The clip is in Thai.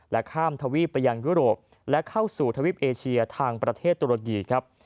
ข้ามทวีปไปยังยุโรปและเข้าสู่ทวีปเอเชียทางประเทศตุรกีครับ